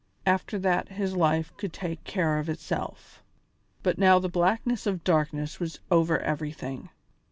After that his life could take care of itself. But now the blackness of darkness was over everything.